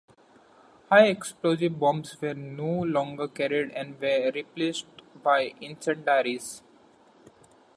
High-explosive bombs were no longer carried and were replaced by incendiaries.